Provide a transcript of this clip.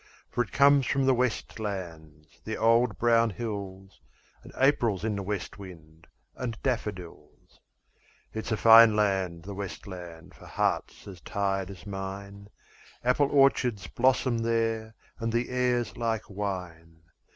For it comes from the west lands, the old brown hills. And April's in the west wind, and daffodils. It's a fine land, the west land, for hearts as tired as mine, Apple orchards blossom there, and the air's like wine.